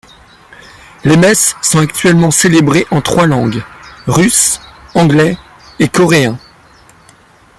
Les messes sont actuellement célébrées en trois langues: russe, anglais et coréen.